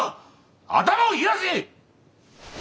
頭を冷やせ！